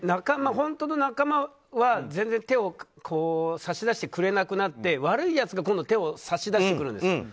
本当の仲間は全然、手を差し出してくれなくなって悪いやつが今度は手を差し出してくるんです。